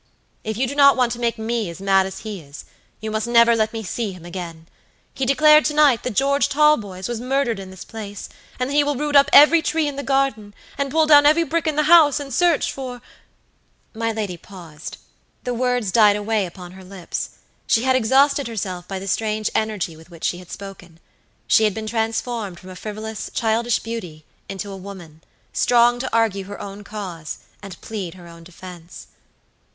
If you do not want to make me as mad as he is, you must never let me see him again. He declared to night that George Talboys was murdered in this place, and that he will root up every tree in the garden, and pull down every brick in the house in search for" My lady paused. The words died away upon her lips. She had exhausted herself by the strange energy with which she had spoken. She had been transformed from a frivolous, childish beauty into a woman, strong to argue her own cause and plead her own defense.